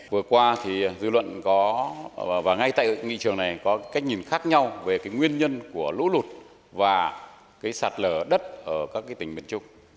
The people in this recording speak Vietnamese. vừa qua thì dư luận có và ngay tại nghị trường này có cách nhìn khác nhau về cái nguyên nhân của lũ lụt và cái sạt lở đất ở các tỉnh miền trung